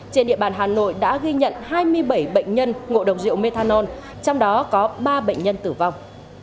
trên địa bàn hà nội đã ghi nhận hai mươi bảy bệnh nhân ngộ độc rượu methanol trong đó có ba bệnh nhân tử vong